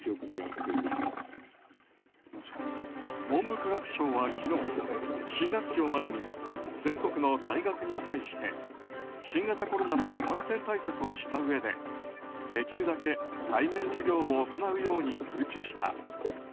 文部科学省は昨日新学期を前に全国の大学に対して新型コロナの感染対策をしたうえでできるだけ対面授業を行うように通知した。